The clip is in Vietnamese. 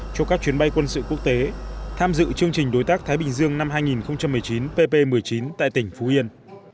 chương trình đối tác thái bình dương năm hai nghìn một mươi chín pp một mươi chín tại tỉnh phú yên